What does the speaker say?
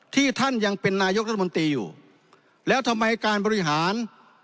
ที่ท่านยังเป็นนายกรัฐมนตรีอยู่แล้วทำไมการบริหาร